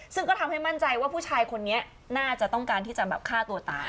ซึ่งก็ทำให้มั่นใจว่าผู้ชายคนนี้น่าจะต้องการที่จะแบบฆ่าตัวตาย